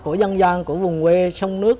của dân gian của vùng quê sông nước